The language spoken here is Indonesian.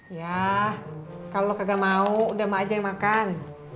yah kalo lo kagak mau udah mah aja yang makan